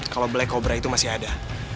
kalau black kobra itu masih ada